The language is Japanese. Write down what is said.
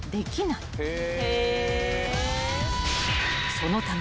［そのため］